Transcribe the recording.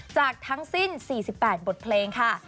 จากทั้งสิ้น๔๘บทเพลงค่ะ